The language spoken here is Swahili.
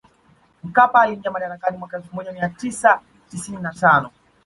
Mkapa aliingia madarakani mwaka elfu moja mia tisa tisini na tano